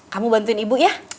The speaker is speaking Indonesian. kamu bantuin ibu ya